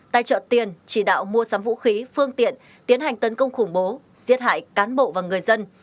tài trợ tiền chỉ đạo mua sắm vũ khí phương tiện tiến hành tấn công khủng bố giết hại cán bộ và người dân